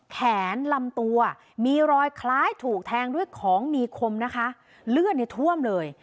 ลำตัวมีรอยคล้ายถูกแทงด้วยของมีคมนะคะเลือดเนี่ยท่วมเลย